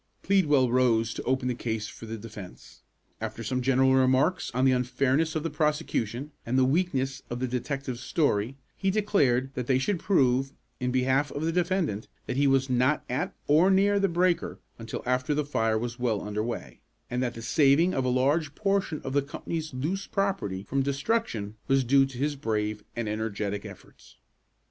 Pleadwell rose to open the case for the defence. After some general remarks on the unfairness of the prosecution, and the weakness of the detective's story, he declared that they should prove, in behalf of the defendant, that he was not at or near the breaker until after the fire was well under way, and that the saving of a large portion of the company's loose property from destruction was due to his brave and energetic efforts.